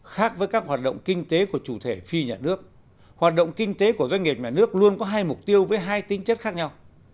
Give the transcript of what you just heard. khác với các hoạt động kinh tế của chủ thể phi nhà nước hoạt động kinh tế của doanh nghiệp nhà nước luôn có hai mục tiêu với hai tính chất khác nhau